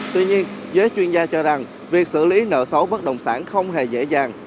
tuy nhiên giới chuyên gia cho rằng việc xử lý nợ xấu bất động sản không hề dễ dàng